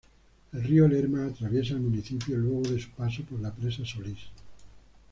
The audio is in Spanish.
El río Lerma atraviesa el municipio luego de su paso por la presa Solís.